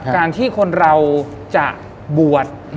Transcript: การที่คนเราจะบวช